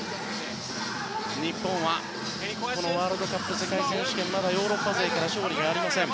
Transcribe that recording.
日本はこのワールドカップ世界選手権まだヨーロッパ勢から勝利がありません。